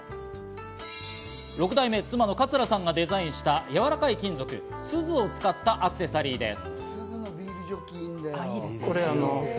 ６代目、妻の桂さんがデザインしたやわらかい金属、スズを使ったアクセサリーです。